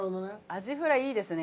アジフライいいですね。